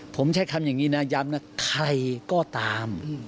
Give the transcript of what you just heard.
ผมใช้คำอย่างนี้นะย้ำนะใครก็ตาม